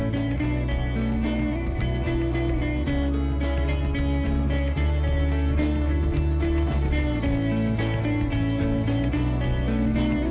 dana buat sama sekali